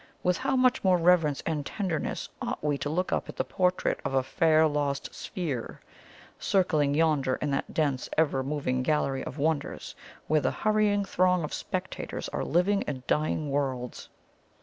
With how much more reverence and tenderness ought we to look up at the 'Portrait of a Fair Lost Sphere,' circling yonder in that dense ever moving gallery of wonders where the hurrying throng of spectators are living and dying worlds!"